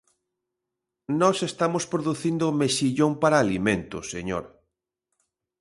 Nós estamos producindo mexillón para alimento, señor.